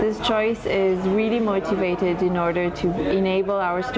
pilihan ini sangat memotivasi untuk membolehkan para pelajar kami